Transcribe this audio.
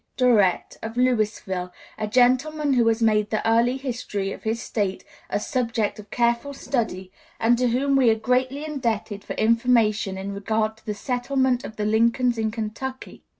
Durrett, of Louisville, a gentleman who has made the early history of his State a subject of careful study, and to whom we are greatly indebted for information in regard to the settlement of the Lincolns in Kentucky.